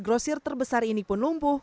grosir terbesar ini pun lumpuh